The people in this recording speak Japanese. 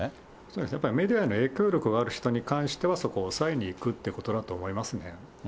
やっぱりメディアの影響力がある人に関しては、そこをおさえにいくということだと思いますね。